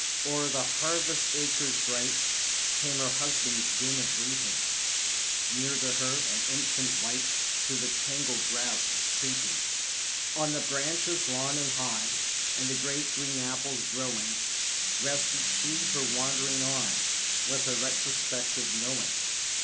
O'er the harvest acres bright, Came her husband's din of reaping; Near to her, an infant wight Through the tangled grass was creeping. On the branches long and high, And the great green apples growing, Rested she her wandering eye, With a retrospective knowing.